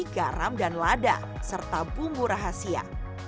garam dan lada serta bumbu rahasia